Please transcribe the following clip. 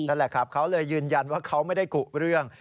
นั่นแหละครับเขาเลยยืนยันว่าเขาไม่ได้กุเรื่อง